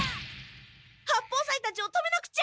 八方斎たちを止めなくちゃ！